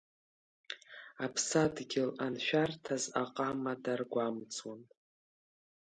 Аԥсадгьыл аншәарҭаз аҟама даргәамҵуан…